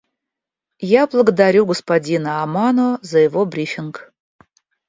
Я благодарю господина Амано за его брифинг.